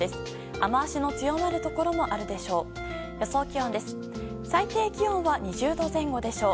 雨脚の強まるところもあるでしょう。